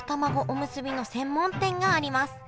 おむすびの専門店があります